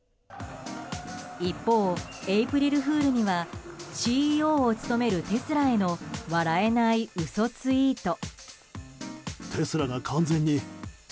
一方、エープリルフールにはＣＥＯを務めるテスラへの笑えない嘘ツイート。